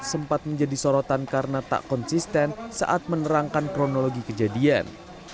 sempat menjadi sorotan karena tak konsisten saat menerangkan kronologi kejadian